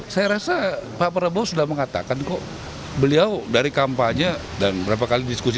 saya rasa pak prabowo sudah mengatakan kok beliau dari kampanye dan berapa kali diskusi